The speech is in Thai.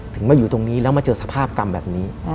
มาอยู่ตรงนี้แล้วมาเจอสภาพกรรมแบบนี้